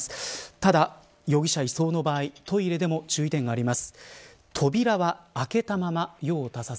ただ、容疑者移送の場合トイレでも注意点があります。